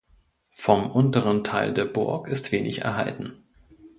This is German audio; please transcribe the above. Vom unteren Teil der Burg ist wenig erhalten.